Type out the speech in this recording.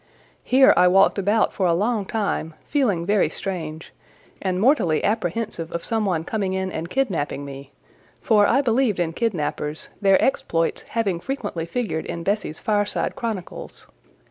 Here I walked about for a long time, feeling very strange, and mortally apprehensive of some one coming in and kidnapping me; for I believed in kidnappers, their exploits having frequently figured in Bessie's fireside chronicles.